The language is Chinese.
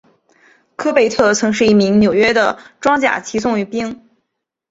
科贝特曾是一名纽约的装甲骑送兵。